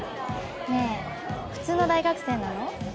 ねえ普通の大学生なの？